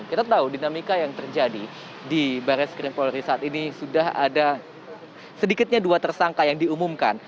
kita tahu dinamika yang terjadi di baris krim polri saat ini sudah ada sedikitnya dua tersangka yang diumumkan